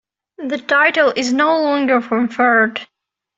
The title is no longer conferred.